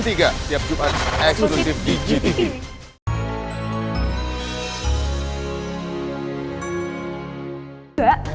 tiap jumat eksklusif di gtv